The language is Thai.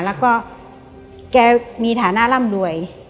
แล้วก็แกมีฐานะร่ำรวย